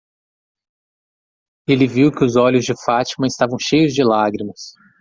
Ele viu que os olhos de Fátima estavam cheios de lágrimas.